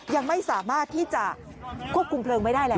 ยังไม่สามารถที่จะควบคุมเพลิงไว้ได้แล้ว